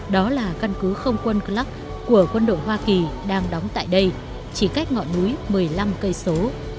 đó là căn cứ không quân cluk của quân đội hoa kỳ đang đóng tại đây chỉ cách ngọn núi một mươi năm cây số